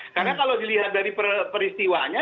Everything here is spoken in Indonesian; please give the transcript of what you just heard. karena kalau dilihat dari peristiwanya